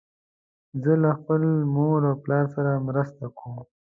زه له خپل مور او پلار سره مرسته کوم.